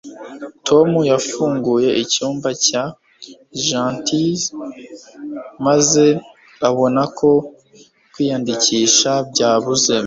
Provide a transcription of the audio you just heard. tom yafunguye icyumba cya gants maze abona ko kwiyandikisha byabuze